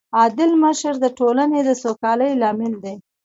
عادل مشر د ټولنې د سوکالۍ لامل دی.